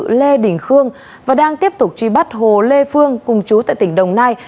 tạm giữ hình sự lê đình khương và đang tiếp tục truy bắt hồ lê phương cùng chú tại tỉnh đồng nai